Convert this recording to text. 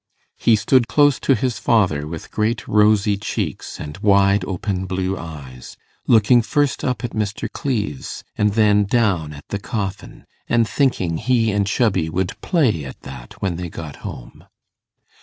He stood close to his father, with great rosy cheeks, and wide open blue eyes, looking first up at Mr. Cleves and then down at the coffin, and thinking he and Chubby would play at that when they got home.